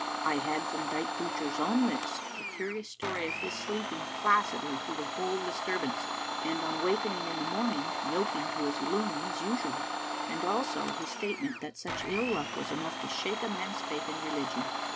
I had from Dite Deuchar's own lips the curious story of his sleeping placidly throughout the whole disturbance, and on wakening in the morning yoking to his loom as usual ; and also his statement that such ill luck was enough to shake a man's faith in religion.